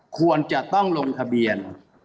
ควรจะต้องลงทะเบียน